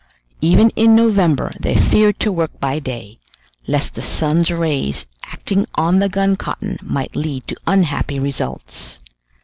Even in November they feared to work by day, lest the sun's rays acting on the gun cotton might lead to unhappy results.